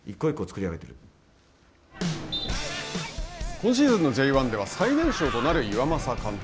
今シーズンのＪ１では最年少となる岩政監督。